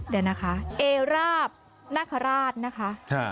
เดี๋ยวนะคะเอราบนาคาราชนะคะ